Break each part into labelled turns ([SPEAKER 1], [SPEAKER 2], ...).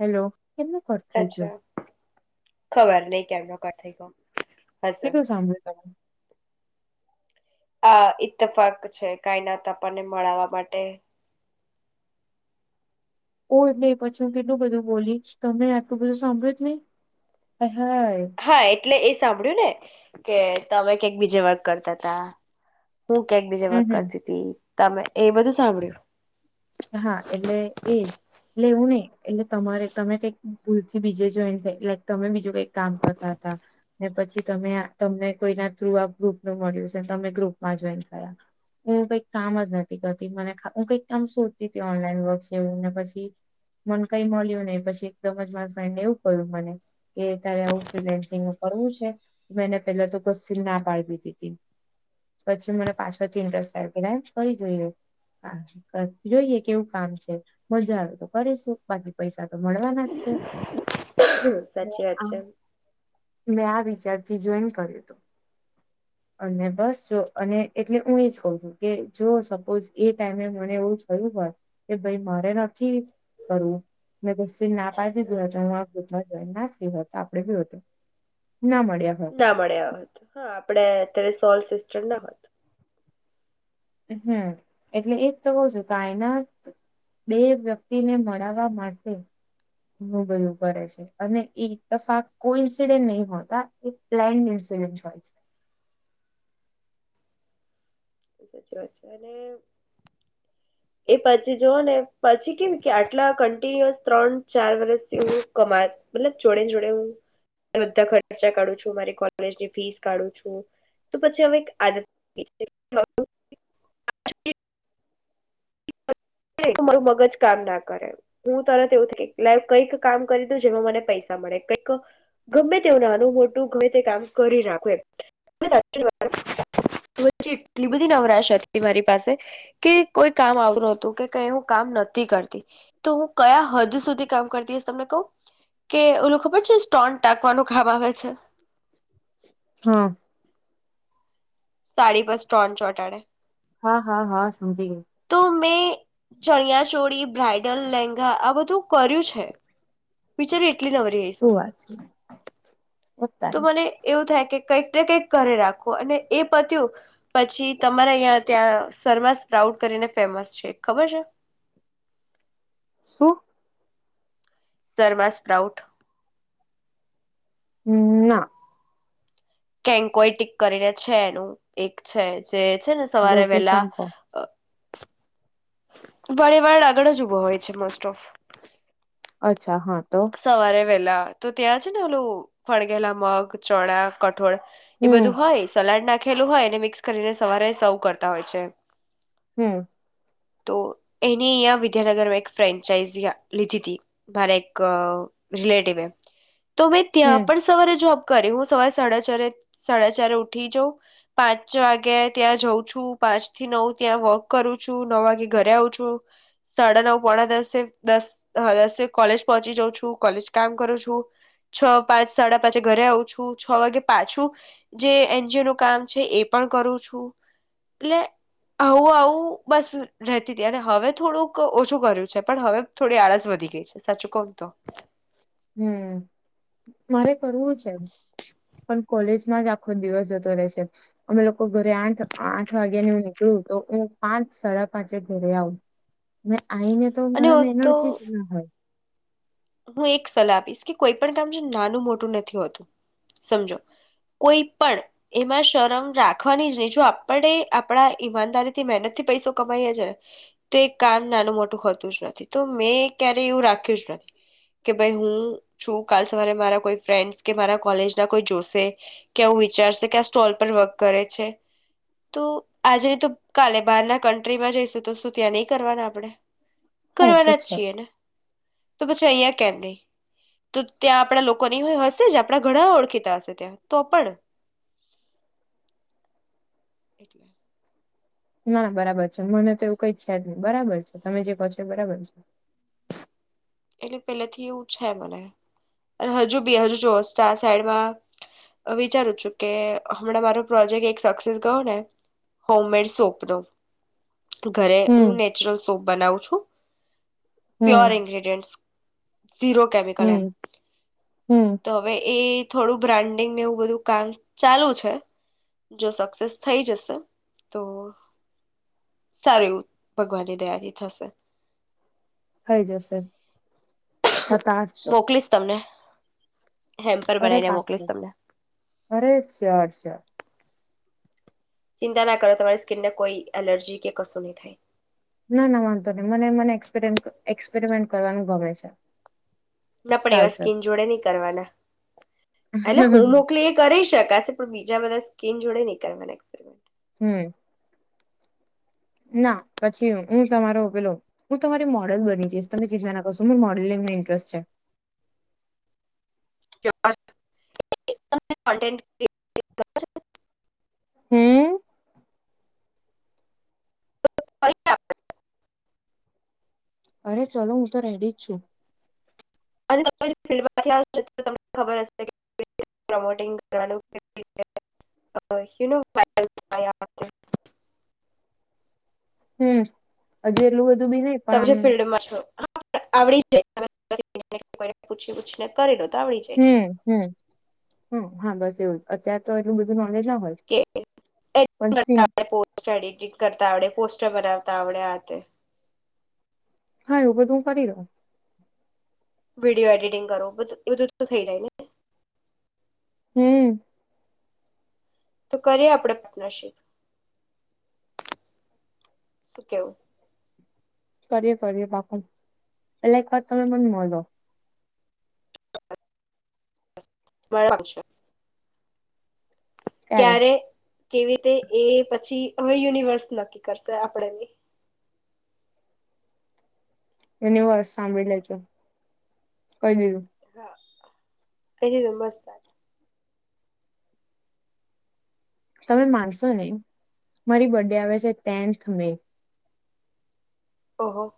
[SPEAKER 1] Hello. કેટલું ખર્ચ થઈ જતું?
[SPEAKER 2] અચ્છા ખબર નહીં કે [unintelligible] થઇ ગયો. હશે
[SPEAKER 1] કેટલું સાંભળ્યું તમે?
[SPEAKER 2] આ ઇતફાક છે કાય નાત આપણને મળવા માટે.
[SPEAKER 1] ઓ એટલે એ પછી હું કેટલું બધું બોલી તમને આટલું બધું સાંભળ્યું જ નહી. હાય
[SPEAKER 2] હા, એટલે એ સાંભળ્યું ને કે તમે કંક બીજે વર્ક કરતાતા. હું કંક બીજા
[SPEAKER 1] હમ
[SPEAKER 2] વાક
[SPEAKER 1] હમ
[SPEAKER 2] કરતી તી. તમે એ બધું સાંભળ્યું?
[SPEAKER 1] લેવું નઈ એટલે તમારે તમે કઈક ભૂલ થી બીજે જોઈન થાય લક તમે બીજું કઈક કામ કરતા હતા. ને પછી તમે તમને કોઈના થ્રુ આ ગ્રુપ ન મળ્યું છે તમે ગ્રુપમાં જોઈન થયા, હું કઈક કામ જ નથી કરતી મને હું કઈક કામ શું. ઓનલાઈન વર્ક છે એવું ને પછી, મને કઈ મળ્યું નહી પછી એકદમ જ મારા ફ્રેન્ડને એવું કહ્યું મને, કે તારે આવું ફ્રી લન્સિંગ કરવું છે, મેને પેલા તો ના પાડવી દીધી, પછી મને પાછથી ઇન્ટરેસ્ટ થાયન્સ કરી જોઈએ. જોઈએ કેવું કામ છે મજા આવે તો કરીશું બાકી પૈસા તો મળવાના જ છે.
[SPEAKER 2] સાચી
[SPEAKER 1] મેં
[SPEAKER 2] વાત
[SPEAKER 1] આ
[SPEAKER 2] છે.
[SPEAKER 1] મેં આ વિચારથી જોઈન કર્યું હતું, અને બસ જો અને એટલે હું એ જ કઉ છું કે જો સપોઝ એ ટાઈમે મને એવું કયું હોય, કે ભાઈ મારે નથી કરવું મેં ના પાડી દીધું ના હો તો આપડે બ હતું.
[SPEAKER 2] ના મળ્યા હા આપડે અત્યારે સોલ સિસ્ટર ના હોત.
[SPEAKER 1] હમ એટલે એક તો કઉ છું કાયનાત બે વ્યક્તિને મળવા માટે બું કરે છે, અને એક તફા કોઈ ઇન્સિડેન્ટ નહીં હોતા એ પ્લેન ઇન્સિડન્ટ હોય છે.
[SPEAKER 2] સાચી વાત છે અને એ પછી જોવ ને પછી કેવી કે આટલા કન્ટિન્યુઅસ ત્રણ ચાર વર્ષથી હું કમા મતલ જોડેને જોડે હું બધા ખર્ચા કાઢું છું મારી કોલેજની ફીસ કાઢું છું, તો પછી હવે એક આદત [unintelligible] મારું મગજ કામ ના કરે, હું તરત એવું લ કંઈક કામ કરું જેમાં મને પૈસા મળે, કઈક ગમે તેવ નાનું મોટું ગમે તે કામ કરી રાખ એટલી બધી નવરાશ હતી મારી પાસે, કે કો કામ આવું હતું કે ક હું કામ નથી કરતી, તો હું કયા હદ સુધી કામ કરતીશ તમને કહું, કે ઓલો ખબર છે સ્ટોન ટાકવાનો ખાબ આવે છે.
[SPEAKER 1] હા
[SPEAKER 2] સાડી પાસ ટ્રણ ચોટાડે.
[SPEAKER 1] હા હા હા. સમજી ગઈ.
[SPEAKER 2] મેં ચણિયા ચોળી બ્રાઇડલ લેંગા આ બધું કર્યું છે. બિચારી કેલી નરીશું
[SPEAKER 1] શું વાત છે
[SPEAKER 2] તો
[SPEAKER 1] તારી
[SPEAKER 2] મને એવું થાય કે કઈક ને કંઈક ઘ રાખો અને એ પત્યું પછી તમારા અહં ત્યાં શર્માસ પ્રાઉડ કરીને ફેમસ છે ખબર છે.
[SPEAKER 1] શું?
[SPEAKER 2] સર્વા સ્પ્રઉટ
[SPEAKER 1] હમ ના
[SPEAKER 2] કેન્કોય ટીક કરીને છે, એનું એક છે જ જે છે ને સવારે વહેલા
[SPEAKER 1] લોકેશન કો
[SPEAKER 2] ઉભા રહેવાવાળા આગળ જ ઉભો હોય છે. Most of.
[SPEAKER 1] અચછા અચ્છા હા તો
[SPEAKER 2] સવારે તો ત્યાં છે ને ઓેલું ફણઘેલા મગ, ચણા, કઠોળ એ
[SPEAKER 1] હમ્મ.
[SPEAKER 2] બધું હોય સલાડ નાખ ખેલું હોય એને મિક્સ કરીને સવારે સૌ કરતા હોય છે.
[SPEAKER 1] હમ.
[SPEAKER 2] તો એની અહં વિદ્યાનગરમાં એક ફ્રેન્ચાઈઝ લીધી હતી મારે અ રિલેટિવ એ તો મેં ત્યાં
[SPEAKER 1] હમ્મ
[SPEAKER 2] પણ સવારે જ કરી હું સવારે સાડા ચારે સાડા ચારે ઉઠી જાઉં પાંચ વાગે ત્યાં જઉં છું પાંચ થી નવ ત્યાં વોક કરું છું નવ વાગે ઘરે આવ છું સાડા નવ પોણા દસે દસ દસે કોલેજ પહોંચી જાઉ છું કોલેજ કામ કરું છું છ પાંચ સાડા પાંચ ઘરે આવું છું છ વાગે પાછું જે એનજીઓ નું કામ છે એ પણ કરું છું એટલે આવું આવું બસ રતી હતી અને હવે થોડુંક ઓછું કર્યું છે પણ હવે થોડી આળસ વધી ગઈ છે સાચું કોણ તો
[SPEAKER 1] હમ મારે કરવું છે પણ કોલેજમાં જ આખો દિવસ જતો રહેે છે અમે લોકો ઘરે આઠ આઠ વાગ્યા ની હું નીકળું તો હું પાંચ સાડા પાંચે ઘરે આવું આવીહીને તો
[SPEAKER 2] અને
[SPEAKER 1] મારાં માં
[SPEAKER 2] તો
[SPEAKER 1] એનર્જી જ ના હોય
[SPEAKER 2] હું એક સલાહ આપીશ કે કોઈ પણ કામ નાનું મોટું નથી હોતું સમજો કોઈ પણ એમાં શરમ રાખવાની જ નહી જો આપણે આપણા ઈમાનદારીથી મહેનત થી પૈસો કમાઈએ છે ને તો એ કામ નાનું મોટું હોતું જ નથી તો મેં ક્યારે એવું રાખ્યું જ નથી કે ભાઈ હું છું કાલ સવારે મારા કોઈ ફ્રેડ્સ મારા કોલેજ ના કોઈ જોશે કેવું વિચારશે કે આ સ્ટોલ પર વર્ક કરે છે તો આજે તો કાલે બહાર ના કન્ટ્રીમાં જઈશું તો શું ત્યાં નહી કરવાના આપણેે
[SPEAKER 1] હા એ તો
[SPEAKER 2] કરવાના જ
[SPEAKER 1] છે
[SPEAKER 2] છીએ ને તો પછી અહંયા કેમ નહી તો ત્યાં આપડા લોકોની હશે જ આપડા ઘણા ઓળખીતા હશે ત્યાં તો પણ
[SPEAKER 1] ના બરાબર છે મને તો એવું કઈ છે જ નહી બરાબર છે તમે જે કહો છો એ બરાબર છે
[SPEAKER 2] એટલે પેલે થી એવું છે મને હજુ બી હજુ જો આ સાઈડમાં વિચારું છું કે હમણાં મારો પ્રોજેક્ટ એક સક્સેસ ગયો ને હોમ મેડ સોપ નો ઘરે
[SPEAKER 1] હમ્મ
[SPEAKER 2] હું નેચરલ તો બનાવું છું પ્યોર
[SPEAKER 1] હમ્મ
[SPEAKER 2] ઇંગ્રેડિસેંટ્સ ઝીરો કેમિકલ એમ
[SPEAKER 1] હમ્મ હમ્મ
[SPEAKER 2] તો હવે એ થોડું બ્રાન્ડિંગને એવું બધું કામ ચાલુ છે જો સક્સેસ થઈ જશે તો સારું એવું ભગવાનની દયાથી થશે
[SPEAKER 1] થાઈ જશે હતાશ તો
[SPEAKER 2] મોકલીસ તમને હેમ્પર
[SPEAKER 1] અરે
[SPEAKER 2] બનાવીને
[SPEAKER 1] પાચ
[SPEAKER 2] મોકલીશ તમને
[SPEAKER 1] અરે શળ શ
[SPEAKER 2] ચિંતા ના કરો તમારી સ્કીિનને કોઈ એલર્જી કે કશું નહી થાય
[SPEAKER 1] ના ના વાંધો નહી મને મનેપ એક્સપેરિમેન્ટ કરવાનું ગમે છે
[SPEAKER 2] ના પણ એવા
[SPEAKER 1] ચાલશે
[SPEAKER 2] સ્કીન જોડે નહી કરવાના એટલે હું મોકલી એ કરી શકાશે પણ બીજા બધા સ્કીન જોડે નનીકળવાના એક્સપેરમેન્ટ
[SPEAKER 1] હમ ના પછી હું તમારો પેલો હું તમારી મોડેલ બની જઈ તમે ચિંતા ના કરશો મોડલિંગ ન ઇન્ટરેસ્ટ છે
[SPEAKER 2] [inaudible]
[SPEAKER 1] હમ અરે ચલોો હું તો રેડી જ છું
[SPEAKER 2] અને ફિલ્થી આવ તો તમને ખબર હશેોટ
[SPEAKER 1] હમ હજુ એલું
[SPEAKER 2] ત જે ફિલ્ડમાં આવડી જાય પૂછી પૂછીને કરી લો તો આવડી જાય
[SPEAKER 1] હમ હમ હમ હા બસ એવું અત્યારે તો એટલું બધું નોલેજ ના હોય પણ સી
[SPEAKER 2] કેતા પોસ્ટડ કરતાડ બરા આવડ્યા તે
[SPEAKER 1] હા એવું બધું હું કરી રહ્યો
[SPEAKER 2] વિડીિયો એડિટિંગ કરોું એ બધું તો થઈ જાય ને
[SPEAKER 1] હમ
[SPEAKER 2] તો કરીએ આપણે પાર્ટનરશીપ શું કેવું
[SPEAKER 1] કરીએ કરીએ બાપુ પેલા એક વાત તમે મને મળો
[SPEAKER 2] તમારા પાશે
[SPEAKER 1] ત્યારે
[SPEAKER 2] ક્યારે કેવી રીતે એ પછી હવે યુનિવર્સ નક્કી કરશે આપણેની
[SPEAKER 1] યુનિવર્સ સાંભળી લેજો કઈ દીું
[SPEAKER 2] કઈી તું બસત
[SPEAKER 1] તમે માનશો નને મારી બર્ ડે આવે છે tenth May
[SPEAKER 2] oh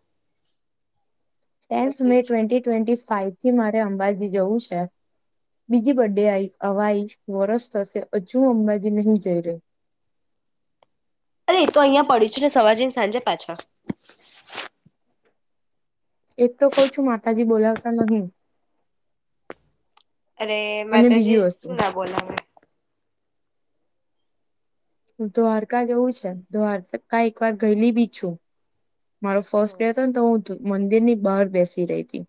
[SPEAKER 1] tenth May twenty twenty ફાઈથી મારે અંબાજી જવું છે બીજી બે આઈ અવાઈ વરષ થશે હજુ અંબાજી નહી જઈ રહી
[SPEAKER 2] અરે તો અહિયાં પડી છું ને સવાજ ની સાંજે પાછા
[SPEAKER 1] એક તો કહ છું માતાજી બોલાવતા નહીં
[SPEAKER 2] અરે
[SPEAKER 1] અને બીજી
[SPEAKER 2] માતાજી
[SPEAKER 1] વસ્તુ
[SPEAKER 2] શું ના બોલા
[SPEAKER 1] હ દ્વારકા જેવું છે દ્વારકા એક વાર ગયેલી બી છું. મારો ફર્સ્ટ ડે હતો ને તો હું મંદિર ની બહાર બેસી રહી હતી.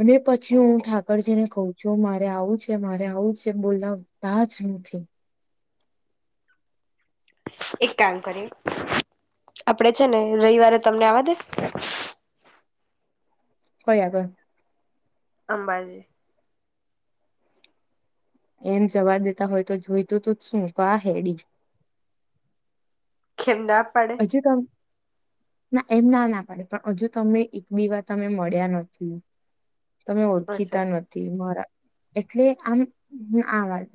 [SPEAKER 1] અને પછી હું
[SPEAKER 2] ઓહ
[SPEAKER 1] ઠાકરજી ને ક છું મારે આવું છે મારે આવું છે બોલલાતાજ નથી
[SPEAKER 2] એક કામ કરી આપડે છે ને રવિવારે તમને આવવા દે
[SPEAKER 1] કોઈ આગર
[SPEAKER 2] અંબાજી
[SPEAKER 1] એમ જવા દેતા હોય તો જોઈતું તું જ શું બા હેડી
[SPEAKER 2] કેમ ના પડે
[SPEAKER 1] હજુ તો ના એમ ના ના પાડે પણ હજુ તમે એક બે વાર તમે મળ્યા નથી તમે
[SPEAKER 2] અચ્છા
[SPEAKER 1] ઓળખીતા નથી મારા એટલે આમ આ વાત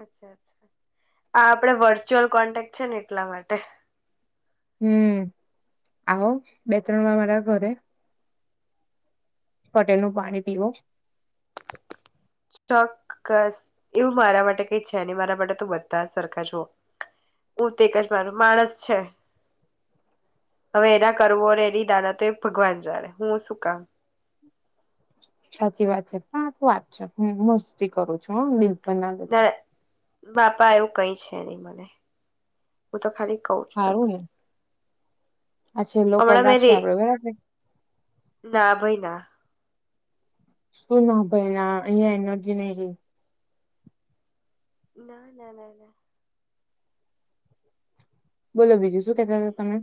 [SPEAKER 2] અચ્છા અચ્છા આ આપડે વર્ચ્યુઅ છે ને એટલા માટે
[SPEAKER 1] હમ આવો બે ત્રણ વાર વાળા ઘરે પટેલ નું પાણી પીવું.
[SPEAKER 2] કસ એવું મારા માટે કઈ છે નહી. મારા માટે ત બધા સરખા છો. હું તે એક જ માનું માણસ છે. હવે એના કર્મો અને એની દાનથ તો ભગવાન જાણે. હું શું કામ
[SPEAKER 1] સાચી વાત છે. [unintelligible] વાત છે હ મસ્તી કરું છું. હ દિલ બ ના જતા
[SPEAKER 2] બાપા એવુ કઈ છે નહી મને. હું તો ખાલી કઉ છો તમે
[SPEAKER 1] અચ્છા લોકો રાખીએ આપડે બરાબર
[SPEAKER 2] ના ભાઈ ના
[SPEAKER 1] શું ના ભાઈના. અહિયાં એનર્જી નહી રહી
[SPEAKER 2] ના ના ના ના
[SPEAKER 1] બોલો બીજું શું કેતા હતા તમે.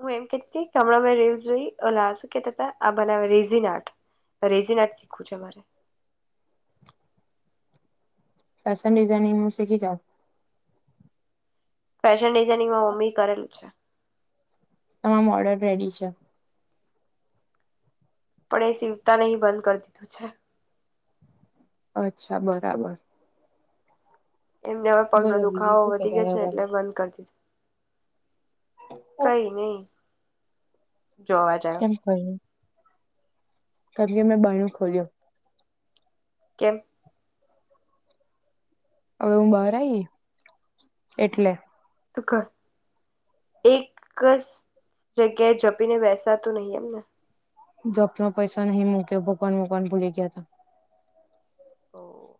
[SPEAKER 2] હું એમ કેતી કે, હમણાં મે રીલ્સ જોઈ ઓલા શું કેતા હતા બનાવે રેઝન આર્ટ. રેઝન આર્ટ શીખવું છે મારે
[SPEAKER 1] ફેશન ડિઝાઇનિંગ હું શીખી જાઉ
[SPEAKER 2] ફેશન ડિઝાઇનિંગ માં મમ્મી કરેલું છે.
[SPEAKER 1] તમામ મઆર્ડર રેડી છે.
[SPEAKER 2] પણ એ સીવતા નહી બંધ કરી દીધું છે.
[SPEAKER 1] અચ્છા બરાબર
[SPEAKER 2] એમને હવે પગલો
[SPEAKER 1] બોલો બીજું
[SPEAKER 2] દુખાવો
[SPEAKER 1] શું
[SPEAKER 2] વધી
[SPEAKER 1] કેતા
[SPEAKER 2] ગયો છે. ને એટલે
[SPEAKER 1] હતા તમે
[SPEAKER 2] બંધ કરી દીધો. કઈ નહી. જો અવાજ આવ્યો
[SPEAKER 1] કેલપ એ [unintelligible] મેં બારણું ખોલ્યો
[SPEAKER 2] કેમ?
[SPEAKER 1] હવે હું બહાર આવીઈ એટલે.
[SPEAKER 2] તુ કર એક જ જગ્યાએ જપીને વેસાતું નહી એમને
[SPEAKER 1] જોપનો પૈસા નહીં મૂક્યો. ભગવાન ને મુકવાની ભૂલી ગય
[SPEAKER 2] ઓ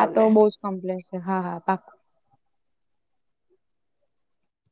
[SPEAKER 1] આ તો બઉુ જ કોમ્પ્લેક્સ છે હા હા પાકુ